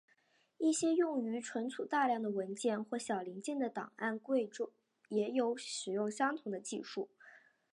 一些用于储存大量的文件或小零件的档案柜也有使用相同的技术。